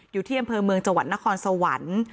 อยู่เที่ยมเพลิงเมืองจังหวัดนครสวรรค์